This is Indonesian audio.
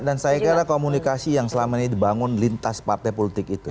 dan saya kira komunikasi yang selama ini dibangun lintas partai politik itu